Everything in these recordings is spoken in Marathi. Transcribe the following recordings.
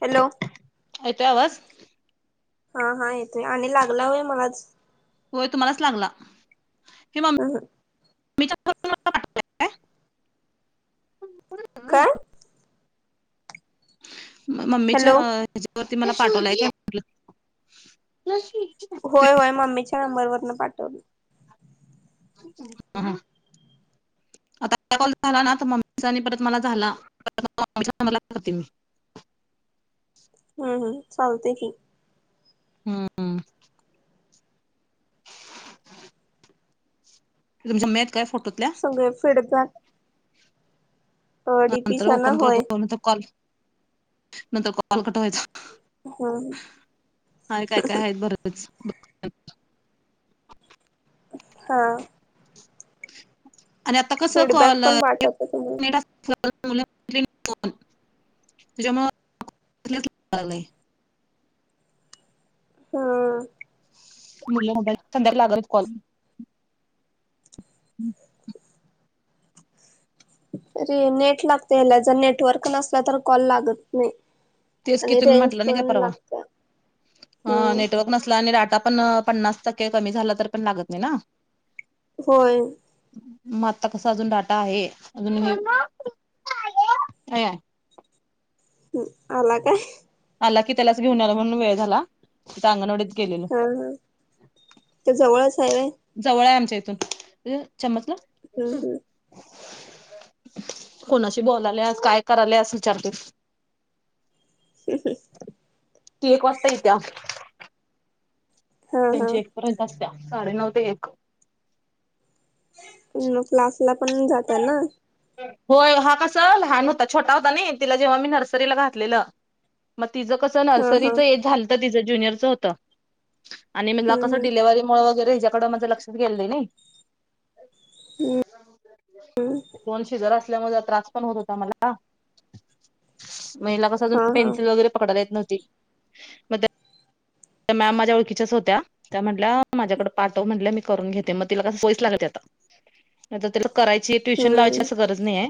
हॅलो येत आवाज हा हा येतोय आणि लागला होय मलाच होय तुमलाच लागला हम ह मी त्याून मला वाट काय का मम्मीच्या हॅलो ह्याच्यावरती मला पाठवलायच म्हटलं नंबर वरन पाठवली हम आता कॉल झाला ना मम्मीचा आणि परत मला झाला म् नबरते मी [unintelligible] हम्म हम्म चालते की हम्म हम तुमच्या म्यात काय फोटो सग एफ यक नंतर ना ओपन होय करतो नंतर कॉल नंतर कॉल हम्म कटवायचा हाय काय काय आहेत बरच [unintelligible] हा आणि आता कस फीडबॅक कॉल पण पाठवतो तुम्हाला त्याच्यामुळ [unintelligible] हा. मु संंद्याकाळी लागल कॉल. अे नेट लागते याला जर नेटवर्क नसला तर कॉल लागत नाही. तेच की आणि तुम्ही रेंज म्हटलं नाही का पण परवा लागत्या हम्म नेटवर्क नसला आणि डाटा पण पन्नास टक्के कमी झालं तर पण लागत नाही ना? होय. मग आत्ता कसा अजून डाटा आहे. अजून अ [inaudible] हम्म. अला काय? आला की त्यालाच घेऊन आला म्हणून वेळ झाला तिथं अंगणवाडी हा हा. त्या जवळच आहे वय. जवळ आहे आमच्या इथून. चम्मचला हम्म हम्म. कोणाशी बोलाल्या काय करालस विचारतय. ती एक वाजता येत्या. हा हा त्यांच्या एक पर्यंत असत्या. साडेनऊ ते एक. मग क्लास ला पण जातय ना? होय. हा कस लहान होता छोटा होता ना तिला जेव्हा मी नर्सरीला घातलेलं मग तिचं कसं हा हा नर्सरीचं एज झालं तर तिचं ज्युनियरचं होत. आणि मला कस हम्म हम् डिलिव्हरी मुळे वगैरे कड माझ लक्षच गेलं नाही. दोन सिजर असल्यामुळे त्रास पण होत होता मला. मग हिला अजून हा हा पेन्सिल वगैरे पकडता येत नव्हती. मग त्या त्या मॅम माझ्या ओळखच्याच होत्या. म्हटल्या माझ्याकडे पाठव म्हटल्या मी करून घेते, मग तिला कसं सवयच लागली आता. आता त्याला करायची ट्युशन लावायची हम्म असं गरज नाही आहे.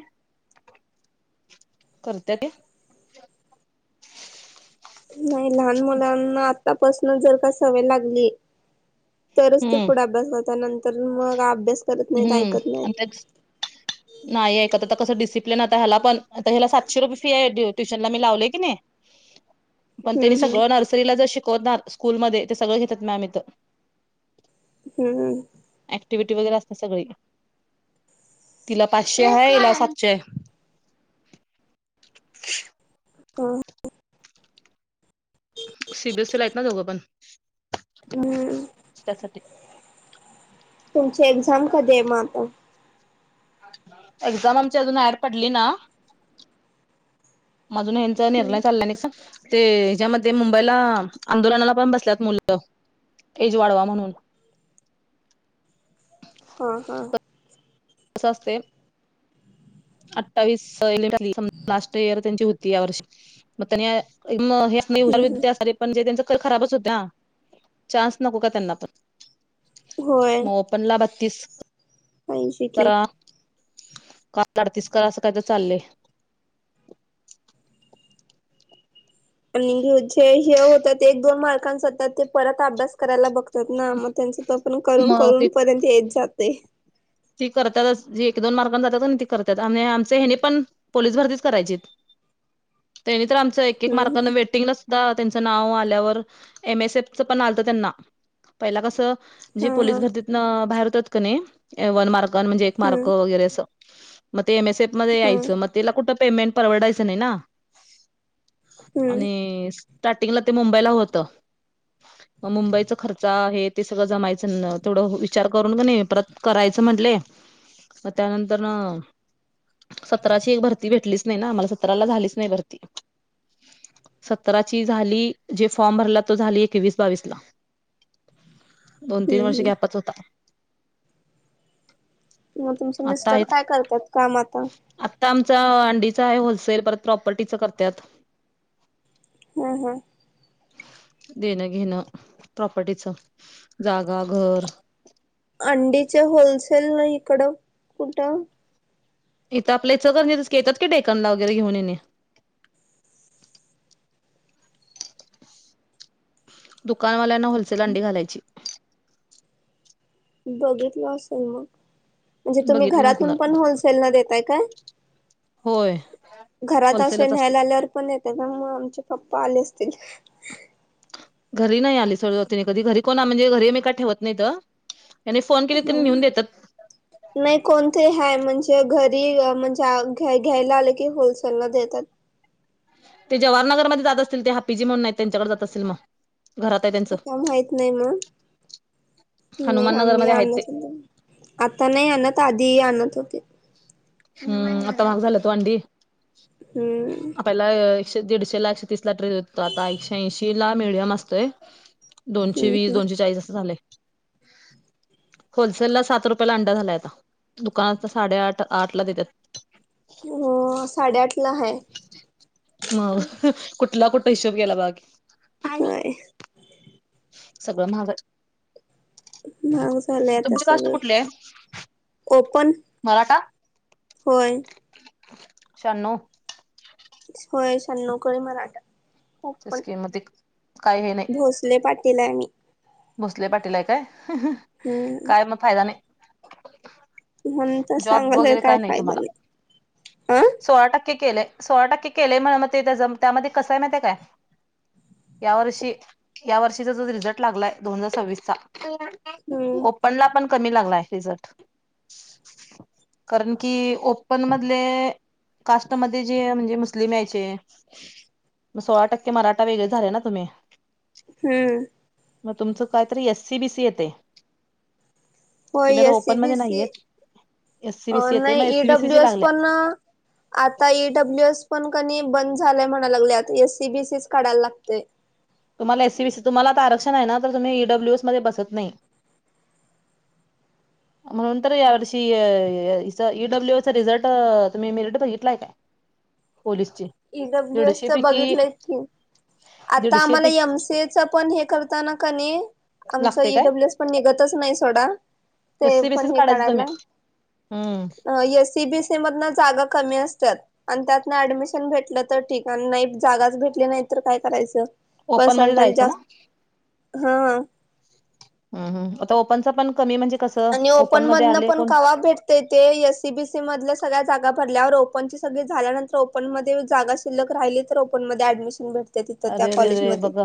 करत्या ती. नाही. लहान मुलांना आतापासन जर का सवय लागली तरच ते हम्म पुढे अभ्यास करत नंतर मग अभ्यास करत नाहीत ऐकत हम्म. नाहीत नाही ऐकत कसं डिसिप्लिन हला पण ह्याला सातशे रुपये फी आहे ट्युशनला मी लावलेय की नाही पण त्यांनी हम्म हम्म सगळं नर्सरीला जर शिकवणार स्कूलमध्ये ते सगळं घेतात मॅम इथं. हम्म. ऍक्टिव्हिटी वगैरे असतात सगळं. तिला पाचशे आहे हिला सातशे. [inaudible] हा. सीबीएसईी ला आहेत ना दोघं पण. त्यासाठी म तुमची एक्झाम कधी आहे मग आता? एक्झाम आमच्या अजून ऍड पडली ना अजून यांचा हम्म निर्णय चाललाय नाही का? ते हच्यामध्ये मुंबईला आंदोलनाला पण बसल्यात मुलं. एज वाढवा म्हणून. हा हा. कस असतय. अठ्ठावीस लास्ट इयर त्यांची होती या वर्षी मग त्यां हुशार हम्म हम्म विद्यार्थी पण जे त्यांच खराबच होत ना चान्स नको का त्यांना पण. मग ओपनला बत्तीस पैसे की करा अडतीस का असं चाललय. आणि जे हे होत एक दोन मार्कां सतत ते परत अभ्यास करायला बघत ना मग त्यांच त पण करून मग ते करून पर्यंत एज जाते. ती करतातच जी एक दोन मार्गने जातात ती करतात आणि आमचे हने पण पोलीस भरतीच करायचीत. त्यांनी तर आमं एक एक हम्म मार्काने हम्म वेटिंगला सुद्धा त्यां नाव आल्यावर एम एस एफ च पण आलत त्यांना पहिला कस जे हा हा पोलीस भरतीत बाहेर होतात का नाही एवन मार्क म्हणजे एक मार्क हम्म वगैरे अस ते एम एसएफ मध्ये हा हम्म यायचं मग त्याला कुठं पेमेंट परवडायचं नाही ना हम्म आणि स्टार्टिंगला ते मुंबईला होत. म मुंबईचा खर्च आहे ते सगळं जमायचं तेडं विचार करून प नाही परत करायचं म्हटले म त्यानंतर सतराची एक भरती भेटलीच नाही ना आम्हाला सतराला झालीच नाही भरती. सतराची झाली जे फॉर्म भरला तो झाली एकवीस बावीस ला. दोन तीन वर्ष हम्म गॅपच होता. मग तुमचे आता मिस्टर आहेत काय करतात काम आता आता आमचा अंडी होलसेल परत प्रॉपर्टीच करतात. हम्म हम्म देणं घेणं प्रॉपर्टीचं जागा घर अंडीच्या होलसेल ना इकडं कुठं इथं आपल्या इचलकरंजी तच की तस येतात क डेकनला वगैरे घेऊन येणे. [unintelligible] दुकानवाल्यांना होलसेल अंडी घालायची. बघितलं असेल मग. म्हणजे तुम्ही बघितलं घरातून नसणार पण होलसेलला देताय काय? होय घरात असे होलसेलच असते न्यायला आल्यावर पण येत का मग आमचे पप्पा आले असतील. घरी नाही आली सरजवतीने कधी घरी कोणा म्हणजे घरी मी काय ठेवत नाही इत. नाही कोणते ह म्हणजे घरी म्हणजे घ्यायला आले की होलसेलला देतात. ते जवाहरनगरमध्ये जात असतील ते हापीजी म्हणून नाही त्यांच्याकडे जात असतील मग. घरात आहे त्यांचं ते काम माहित नाही मग. नाही आम्ही हनुमाननगरमध्ये आहेत आण ते आता नाही आधी आणत आधी आणत होते. हम्म आता महाग झालं त ओ अंडी. हम्म. शे दीडशे ला एकशे तीसला ट्रेड होतो आता एकशे ऐशी ला मिडियम असतोय. दोनशे हम्म वीस हम्म दोनशेचाळीस असं झालंय. होलसेल ला सात रुपयाला अंडा झालाय आता दुकानात साडेआठ. आठला देतात. हो साडेआठ ला आहे. म कुठला कुठ हिशोब केला बघा कि. होय. सगळं महाग हाय. महाग झालंय आता सगळं. कुठली आहे ओपन होय. शहानऊ होय शहानउण कुळी मराठा. ओपन सिस्की मग ते काय हे नाही भोसले पाटील हाय मी भोसले पाटील हाय हम्म काय मग फायदा नाही. म्हणून तर जॉब सांगायला वगैरे काय नाही फायदा तुम्हाला हा सोळा टक्के केलेय. सोळा टक्के केलेय म्ह मग ते त्यामध्ये कसं आहे माहित हे काय या वर्षी या वर्षीचा जो रिझल्ट लागलाय दोन हजार सव्वीसचा. हम्म ओपनला पण कमी लागलाय रिझर्ट. कारण की ओपन मधले, कास्टमध्ये जे म्हणजे मुस्लिम यायचे, मग सोळा टक्के मराठा वेगळे झाले ना तुम्ही. हम्म मग तुमचं काय तरी एस सी बीसी येते. हो तुम्ही आता ए सी ओपन बी मध्ये सी नाहीयेत एससी अ बीसी येते मग नाही एससी बीसी ची ईडब्ल्युएस लागल्या पण आता ईडब्ल्यूएस पण नि बंद झालय म्हणाय लागल्यात एससी बीसीच काढाय लागतंय. तुम्हाला एसीबीस तुम्हाला आता आरक्षण आहे ना तर तुम्ही ईडब्ल्यूएस मध्ये बसत नाही. [inaudible] म्हणून तर या वर्षी [unintelligible] ईडब्ल्यूचा रिझल्ट तुम्ही मिेरट बघितलाय का? [inaudible] ईडब्ल्यू एस च बघितलंय की. आता दीडशे आम्हाला पैकी एम सच पण हे करताना [inaudible] क नै आमच लागते काय ईडब्ल्यू एस पण निघतच नाही सोडा एस ते सी बीसीच पण हे काढायचं काढायला तुम्ही हम्म. [inaudible] अं एस सीबीस... [inaudible] ते मधनं जागा कमी असत्यात अन् त्यातनं ऍडमिश... ण भेटलं तर ठीक नाही जागाच भेटली नाही तर काय करायचं. ओपन मध्ये जायचं ना हां आता ओपन पण कमी म्हणजे कसं आणि ओपन मध्ये मधनं आले पण कोण कवा भेटतयं ते एससीबीसी मधल्या सगळ्या जागा भरल्यावर ओपन ची सगळी झाल्यानंतर ओपन मध्ये जागा शिल्लक राहिली तर ओपन मध्ये ऍडमिशन भेट ते तिथं त्या अरे रे रे कॉलेजमध्ये बघ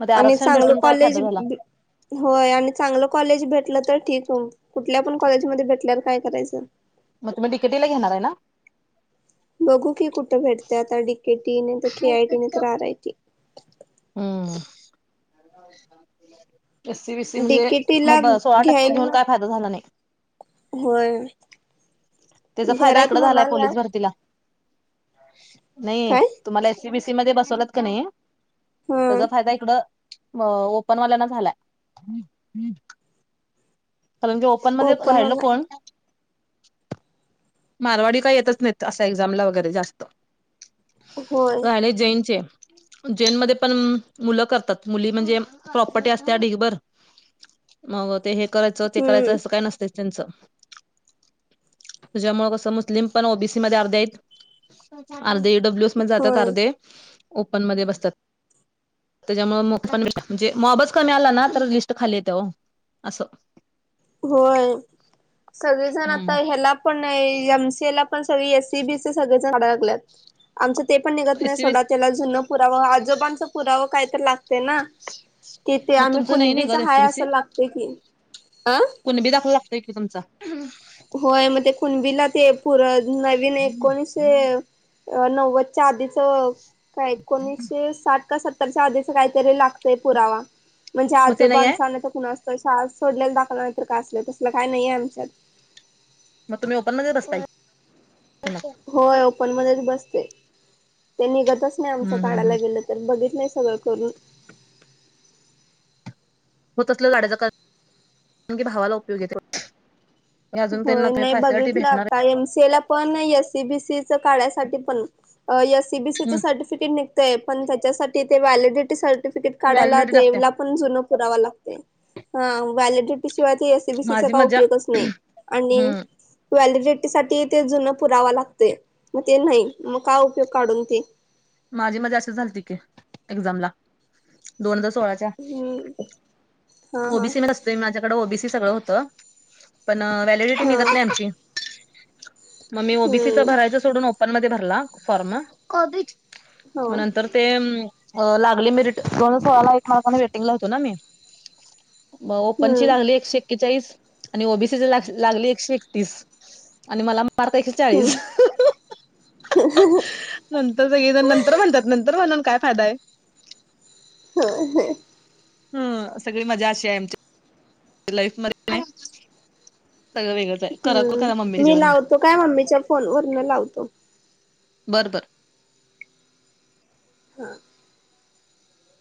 मग ते आणि आरक्षण चांगलं भेटून काय कॉलेज फायदा झाला [unintelligible] व्हय आणि चांगलं कॉलेज भेटलं [inaudible] ठीक ओ कुठल्या पण कॉलेजमध्ये भेटल्यावर काय करायचं. मग तुम्ही डिकेटीला घेणार आहे ना? बघू की कुठं भेटतय आता डीकेटी नायतर तर के आयटी नायतर तर आर आय टी हम् एससी बीसी म्हणजे डिकेटीला मग सोळा टक्के घ्यायन घेऊन काय फायदा झाला नाही. होय. त्याचा फायदा घरात इकडं झालाय म्हणाला पोलीस भरतीला नाही काय तुम्हाला एससीबीसी मध्ये बसवलत का नाही. ह त्याचा फायदा इकडं म ओपनवाल्याना झाला. त्यानंतर ओपन मध्ये र्याह्यलं कोन [inaudible] मारवाडी का येतच नाहीत असा एक्झामला वगैरे जास्त. होय [unintelligible] जेनमध्ये पण मुलं करतात मुली म्हणजे... प्रॉपर्टी असत ढिगभर. मग ते हे करायचं ते करायच हम्म असं काय नसत त्यांचं ह्याच्यामुळे कसं मुस्लिम पण ओबीसी मध्ये अर्धे आहेत. अर्धे एडब्ल्यू एस मध्ये जातात होय अर्धे ओपन मध्ये बसतात. त्याच्यामुळे पण म्हणजे मॉबच कमी आला ना तर लिस्ट खाली येते हो असं होय सगळेजण आता ह्याला पण नाही. एमसीएलापण सगळी एसीबिसी सगळीच अडकल्यात आमचं ते पण निघत नाही सोडा एसीबीसी त्याला जुन पुराव आजोबांचा पुराव काय तर लागते ना, तिथे मग आम्ही तुमचं नाही नाही कुणबीच ग हाय एसीबीसी असं लागतय की. अं कुणबी दाखला लागतोय क तुमचा होय, मग ते कुणबीला ते पुर नवीन एक [inaudible] अ नव्वदच्या आधीच, काय एकोणीसशे साठ सत्तरच्या आधीच काहीतरी लागतंय पुरावा. म्हणजे मग ते नाही आहे आजोबांचा नायतर कुणाचा शाळ सोडलेला दाखला नाहीतर का असलं तसलं काय नाहीये आमच्यात. मग तुम्ही ओपन मध्ये बसताय. हम्म होय ओपन मध्येच बसते त्ये निघतच नाही आमच हम्म हम्म. काढायला गेलं तर. बघितलंय सगळं करून. होत असले लाडाचा भावाला उपयोग येते. अजून त्यांना होय नाही फॅसिलिटी बघितलं भेटणार आता. एमसेला पण एस सीबीसीच काढयसाठी पण एस सीबीसी आहे. चं सर्टिफिकेट निघतय. पण त्याच्यासाठी ते व्हॅलिडिटी सर काढायला व्हॅलिडिटी लागत्या तेला पण ते जुना पुरावा लागतय. ह व्हॅलिडीटी शिवाय एसीबीसीचा माझी का मजा उपयोगच नाही. आणि हम्म व्हॅलिडिटी साठी ते जुन पुरावा लागतय. मग ते नाही मग का उपयोग काढून ते. माझी मध्ये असच झालत की एक्झामला. दोन सोळाच्या हम्म हा हा ओबीसी नसते माझ्या ओबीसी सगळं होत. पण व्हॅलिडिटी हा निघत नाही आमची. मग मी ओबीसीच हम्म भरायच सोडून, ओपन मध्ये भरला फॉर्म. हा मग नंतर ते अ लागली मी रिट दोन हजार सोळाला एक मार्काने वेटिंग ला होतो ना मी. म ओपन ची हम्म लागली एकशे एक्केचाळीस आणि ओबीसी लागले, एकशे एकतीस आणि मला हम्म [unintelligible] नंतर सगळे तर नंतर म्हणतात. नंतर म्हणून काय फायदा आहे. ह ह हम सगळी मजा अशी आहे आमच्या लाईफ मध्ये. सगळं वेगळंच आहे करा करा मम्मी हम्म मी ह्याच्यावरन लावतो. काय मम्मीच्या फोन वरन लावतो. बरं बर हा.